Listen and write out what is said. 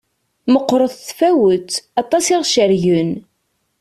Meqqert tfawet, aṭas i aɣ-cergen.